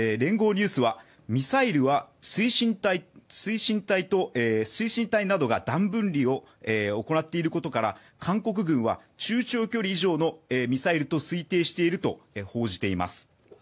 ニュースはミサイルは水深隊などが大分離を行っていることから韓国軍は中距離以上のミサイルと報じています。